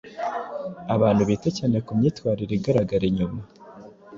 Abantu bita cyane ku myitwarire igaragara inyuma,